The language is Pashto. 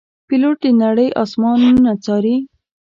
پیلوټ د نړۍ آسمانونه څاري.